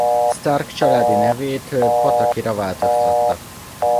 Stark családi nevét Patakira változtatta.